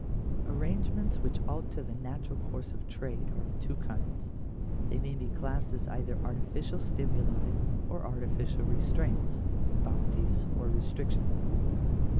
§1. Arrangements which alter the natural course of trade are of two kinds ; they may be classed as either artificial stimuli or artificial restraints — bounties or restrictions.